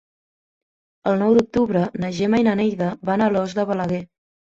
El nou d'octubre na Gemma i na Neida van a Alòs de Balaguer.